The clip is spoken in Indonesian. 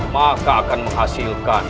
maka akan menghasilkan